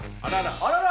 あらら！